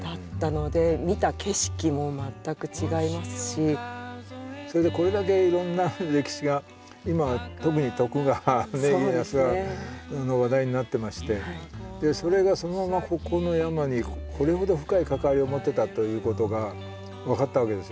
どうなんだろうなというそれでこれだけいろんな歴史が今特に徳川家康が話題になってましてそれがそのままここの山にこれほど深い関わりを持ってたということが分かったわけですよね。